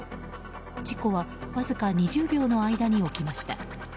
事故は、わずか２０秒の間に起きました。